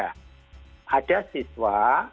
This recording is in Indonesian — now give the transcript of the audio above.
nah ada siswa